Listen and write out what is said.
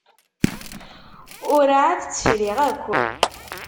Ur εad tt-friɣ akk.